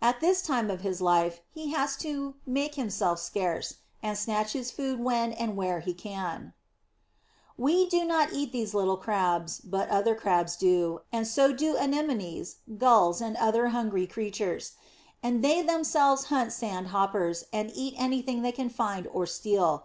At this time of his life he has to "make himself scarce," and snatch his food when and where he can. [Illustration: PURSE CRAB.] We do not eat these little Crabs, but other Crabs do, and so do anemones, gulls, and other hungry creatures; and they themselves hunt sand hoppers, and eat anything they can find or steal.